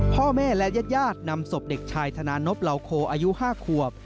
พ่อแม่และญาติยาตินำศพเด็กชายธนานพลาวโคออายุ๕ควบ